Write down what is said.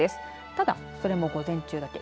ただ、それも午前中だけ。